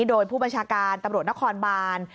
โดยผู้บัญชาการตำรวจนครบาน